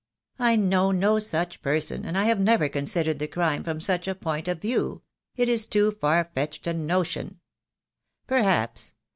"I know no such person, and I have never considered the crime from such a point of view. It is too far fetched a notion." "Perhaps.